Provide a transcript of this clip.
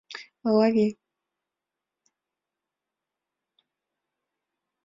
Лови!